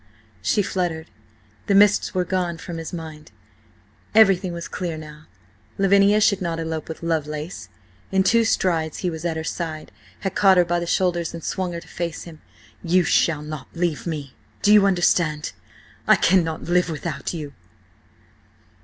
she fluttered. The mists were gone from his mind now, everything was clear. Lavinia should not elope with Lovelace. In two strides he was at her side, had caught her by the shoulders and swung her to face him. "You shall not leave me! Do you understand? I cannot live without you!"